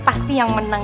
pasti yang menang